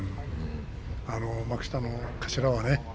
幕下の頭はね